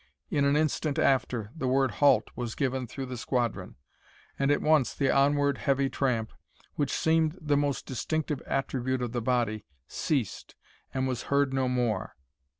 In an instant after, the word "Halt!" was given through the squadron, and at once the onward heavy tramp, which seemed the most distinctive attribute of the body, ceased, and was heard no more.